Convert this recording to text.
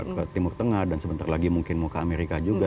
ke timur tengah dan sebentar lagi mungkin mau ke amerika juga